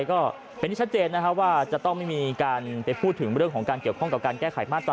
ก็เป็นที่ชัดเจนนะครับว่าจะต้องไม่มีการไปพูดถึงเรื่องของการเกี่ยวข้องกับการแก้ไขมาตรา๑